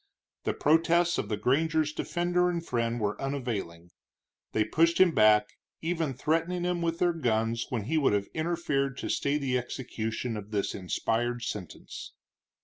The protests of the granger's defender and friend were unavailing. They pushed him back, even threatening him with their guns when he would have interfered to stay the execution of this inspired sentence.